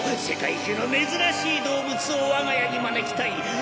世界中の珍しい動物を我が家に招きたい！